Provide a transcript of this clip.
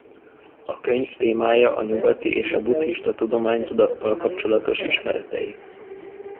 A könyv témája a nyugati és a buddhista tudomány tudattal kapcsolatos ismeretei.